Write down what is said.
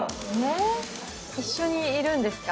一緒にいるんですか？